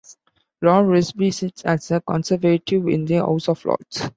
Lord Risby sits as a Conservative in the House of Lords.